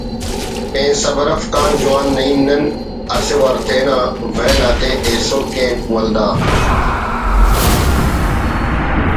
پین صبر اف کان جوان نعیم نن اسہ وار تینا ویل آتے ایسر کین ولدا